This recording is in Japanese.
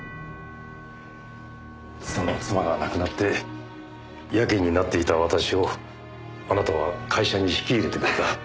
その妻が亡くなってやけになっていた私をあなたは会社に引き入れてくれた。